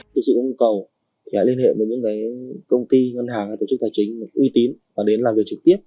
thực sự cũng cầu liên hệ với những công ty ngân hàng tổ chức tài chính uy tín và đến làm việc trực tiếp